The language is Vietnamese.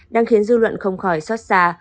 đang khiến dư luận không khỏi xót xa